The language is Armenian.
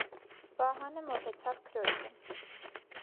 Վահանը մոտեցավ քրոջը: